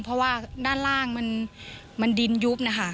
เพราะว่าด้านล่างมันดินยุบนะคะ